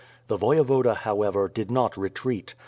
The Voyevoda, however, did not retreat.